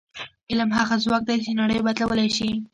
علم هغه ځواک دی چې نړۍ بدلولی شي.